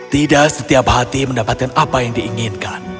tidak setiap hati mendapatkan apa yang diinginkan